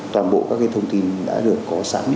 toàn bộ các thông tin đã được có sẵn